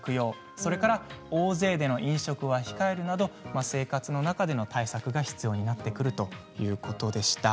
それから大勢での飲食は控えるなど生活の中での対策が必要になってくるということでした。